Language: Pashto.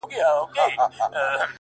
ما ناولونه ‘ ما كيسې ‘ما فلسفې لوستي دي’